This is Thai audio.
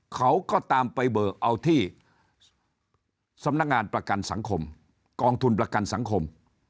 เขาก็ตามไปเบิกเอาที่สำนักงานประกันสังคมกองทุนประกันสังคม